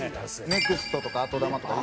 ネクストとか後球とか。